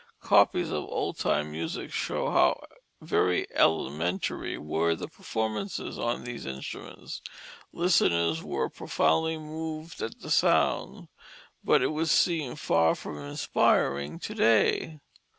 Copies of old time music show how very elementary were the performances on these instruments. Listeners were profoundly moved at the sound, but it would seem far from inspiring to day.